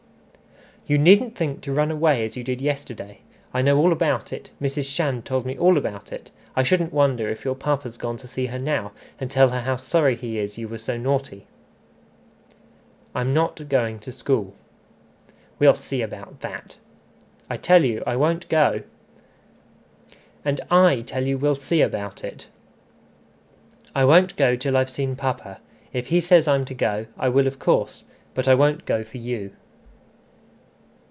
"You needn't think to run away as you did yesterday. I know all about it Mrs. Shand told me all about it I shouldn't wonder if your papa's gone to see her now, and tell her how sorry he is you were so naughty." "I'm not going, to school." "We'll see about that" "I tell you I won't go." "And I tell you we'll see about it" "I won't go till I've seen papa. If he says I'm to go, I will of course; but I won't go for you."